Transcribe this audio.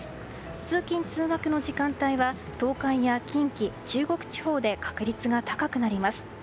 通勤・通学の時間帯は東海や近畿、中国地方で確率が高くなります。